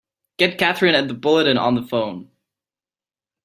Get Katherine at the Bulletin on the phone!